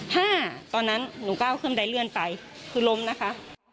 ถ้าตอนนั้นหนูก้าวเครื่องใดเลื่อนไปคือล้มนะคะ